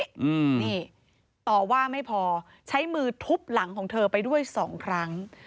อืมนี่ต่อว่าไม่พอใช้มือทุบหลังของเธอไปด้วยสองครั้ง